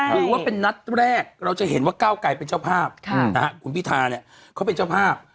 ถือว่าเป็นนัดแรกเราจะเห็นว่าก้าวไกลเป็นเจ้าภาพคุณพิธาเนี่ยเขาเป็นเจ้าภาพ